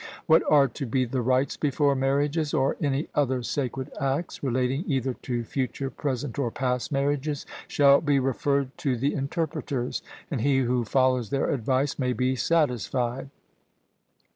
What are to be the rites before marriages, or any other sacred acts, relating either to future, present, or past marriages, shall be referred to the interpreters; and he who follows their advice may be satisfied.